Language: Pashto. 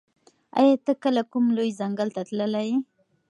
ایا ته کله کوم لوی ځنګل ته تللی یې؟